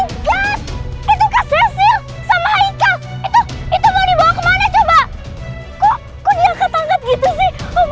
oh my god itu kak cecil sama aika itu mau dibawa kemana coba kok diangkat angkat gitu sih